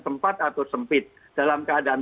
tempat atau sempit dalam keadaan